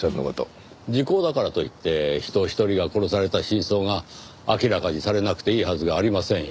時効だからといって人ひとりが殺された真相が明らかにされなくていいはずがありませんよ。